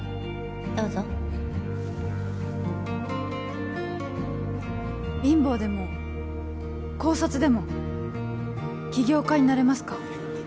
どうぞ貧乏でも高卒でも起業家になれますか？